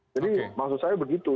jadi maksud saya begitu